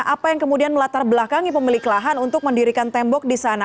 apa yang kemudian melatar belakangi pemilik lahan untuk mendirikan tembok di sana